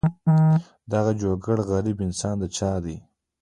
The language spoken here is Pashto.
دغه ګوجر غریب انسان د چا دی.